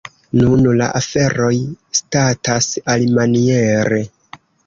Nun la aferoj statas alimaniere.